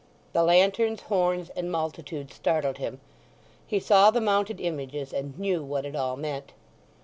The lanterns, horns, and multitude startled him; he saw the mounted images, and knew what it all meant.